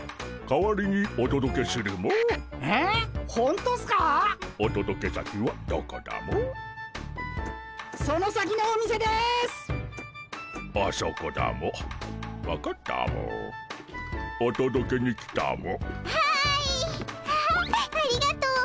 わあありがとう。